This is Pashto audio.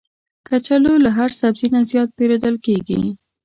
کچالو له هر سبزي نه زیات پېرودل کېږي